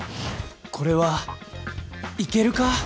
これはいけるか？